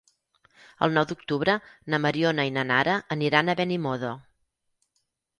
El nou d'octubre na Mariona i na Nara aniran a Benimodo.